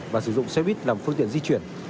và sử dụng xe buýt làm phương tiện di chuyển